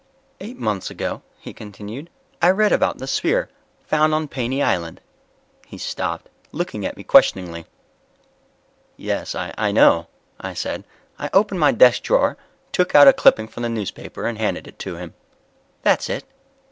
"Eight months ago," he continued, "I read about the sphere found on Paney Island." He stopped, looking at me questioningly. "Yes, I know," I said. I opened my desk drawer, took out a clipping from the newspaper, and handed it to him. "That's it."